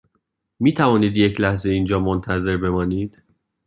می توانید یک لحظه اینجا منتظر بمانید؟